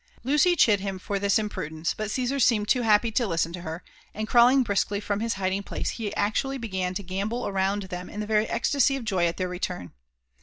' Lucy chid him for this imprudence ; but Caesar seemed too happy to listen to her, and crawling briskly from his hiding place, he ac tually began to gambol round them in the very ecstasy of joy at their return.